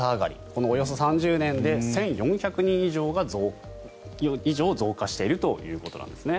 このおよそ３０年で１４００人以上増加しているということなんです。